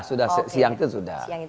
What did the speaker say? sudah siang itu sudah